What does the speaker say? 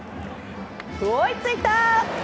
追いついた！